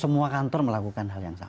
semua kantor melakukan hal yang sama